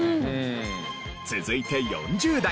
続いて４０代。